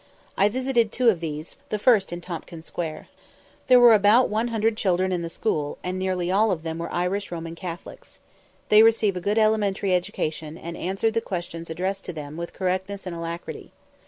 I visited two of these, the first in Tompkin Square. There were about 100 children in the school, and nearly all of them were Irish Roman Catholics. They receive a good elementary education, and answered the questions addressed to them with correctness and alacrity.